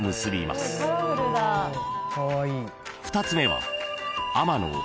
［２つ目は］